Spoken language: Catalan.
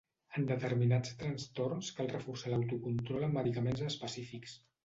En determinats trastorns cal reforçar l'autocontrol amb medicaments específics.